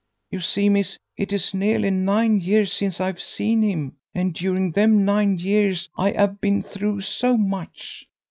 You see, miss, it is nearly nine years since I've seen him, and during them nine years I 'ave been through so much.